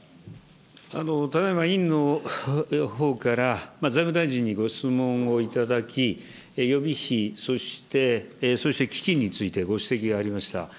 ただいま委員のほうから財務大臣にご質問をいただき、予備費、そしてそうした基金についてご指摘がありました。